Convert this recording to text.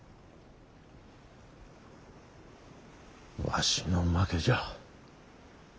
わしの負けじゃ。